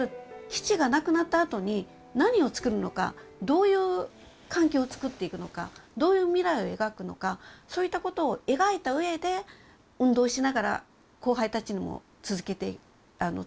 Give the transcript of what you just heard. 基地がなくなったあとに何をつくるのかどういう環境をつくっていくのかどういう未来を描くのかそういったことを描いたうえで運動しながら後輩たちにも伝えていく。